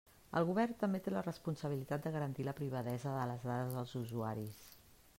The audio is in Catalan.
El govern també té la responsabilitat de garantir la privadesa de les dades dels usuaris.